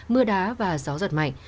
mưa đá và gió giật mạnh